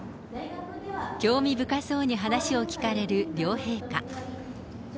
興味深そうに話を聞かれる両陛下。